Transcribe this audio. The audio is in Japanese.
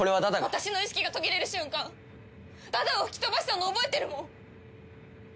私の意識が途切れる瞬間ダダを吹き飛ばしたの覚えてるもん！